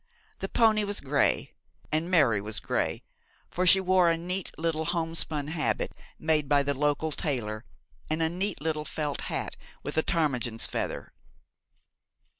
The pony was grey, and Mary was grey, for she wore a neat little homespun habit made by the local tailor, and a neat little felt hat with a ptarmigan's feather.